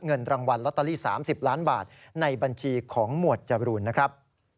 เงินรางวัลลอตเตอรี่๓๐ล้านบาทในบัญชีของหมวดจรูนนะครับ